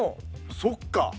そっか！